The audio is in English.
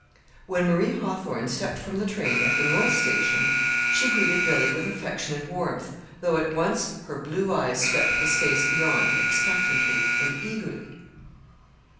When Marie Hawthorn stepped from the train at the North Station she greeted Billy with affectionate warmth, though at once her blue eyes swept the space beyond expectantly and eagerly.